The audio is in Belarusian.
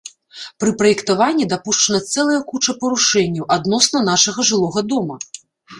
Пры праектаванні дапушчана цэлая куча парушэнняў адносна нашага жылога дома!